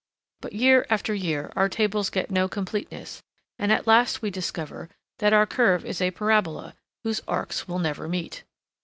But year after year our tables get no completeness, and at last we discover that our curve is a parabola, whose arcs will never meet.